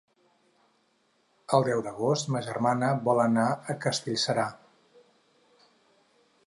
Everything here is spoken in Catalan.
El deu d'agost ma germana vol anar a Castellserà.